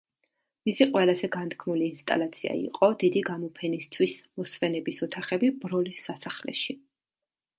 მისი ყველაზე განთქმული ინსტალაცია იყო დიდი გამოფენისთვის მოსვენების ოთახები ბროლის სასახლეში.